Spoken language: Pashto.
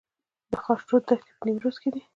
د خاشرود دښتې په نیمروز کې دي